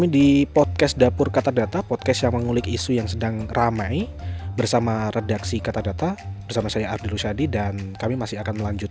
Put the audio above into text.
dapur kata data podcast